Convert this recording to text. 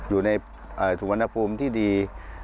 อยู่ในสุวรรณภูมิที่ดี